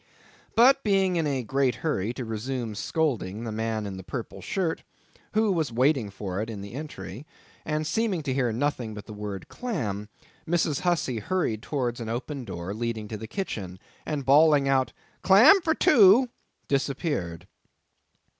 But being in a great hurry to resume scolding the man in the purple Shirt, who was waiting for it in the entry, and seeming to hear nothing but the word "clam," Mrs. Hussey hurried towards an open door leading to the kitchen, and bawling out "clam for two," disappeared.